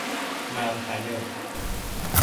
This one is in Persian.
مرحله